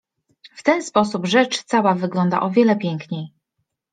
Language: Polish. W ten sposób rzecz cała wygląda o wiele piękniej.